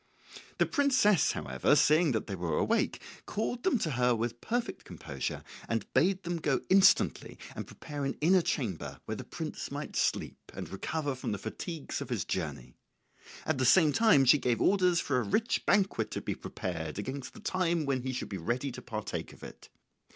The princess however, seeing that they were awake, called them to her with perfect composure and bade them go instantly and prepare an inner chamber where the prince might sleep and recover from the fatigues of his journey; at the same time she gave orders for a rich banquet to be prepared against the time when he should be ready to partake of it.